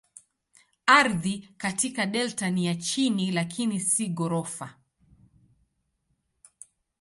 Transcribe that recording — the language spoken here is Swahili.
Ardhi katika delta ni ya chini lakini si ghorofa.